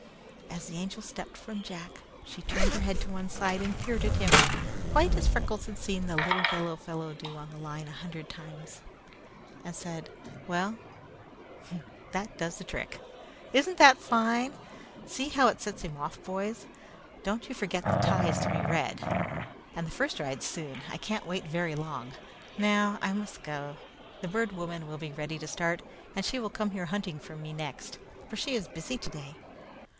As the Angel stepped from Jack, she turned her head to one side and peered at him, quite as Freckles had seen the little yellow fellow do on the line a hundred times, and said: "Well, that does the trick! Isn't that fine? See how it sets him off, boys? Don't you forget the tie is to be red, and the first ride soon. I can't wait very long. Now I must go. The Bird Woman will be ready to start, and she will come here hunting me next, for she is busy today.